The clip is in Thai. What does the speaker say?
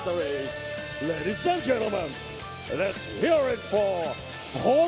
๒๔ปีและเพ็ดแบรมโบชิน